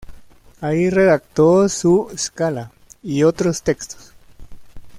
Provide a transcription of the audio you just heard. Allí redactó su "Scala" y otros textos.